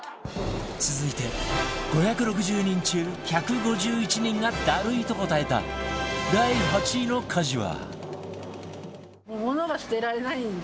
続いて５６０人中１５１人がダルいと答えた第８位の家事は